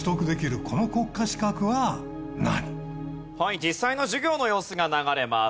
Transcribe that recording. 実際の授業の様子が流れます。